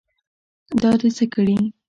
دا دې څه کړي.